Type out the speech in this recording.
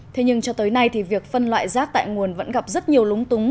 thế nhưng cho tới nay thì việc phân loại rác tại nguồn vẫn gặp rất nhiều lúng túng